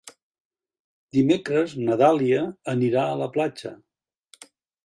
Dimecres na Dàlia anirà a la platja.